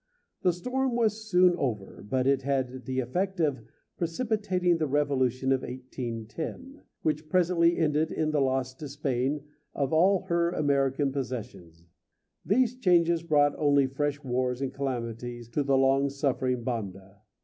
The storm was soon over, but it had the effect of precipitating the revolution of 1810, which presently ended in the loss to Spain of all her American possessions. These changes brought only fresh wars and calamities to the long suffering Banda.